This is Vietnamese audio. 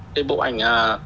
cái bộ ảnh